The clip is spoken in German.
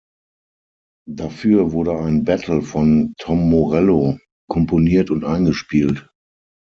Dafür wurde ein „Battle“ von Tom Morello komponiert und eingespielt.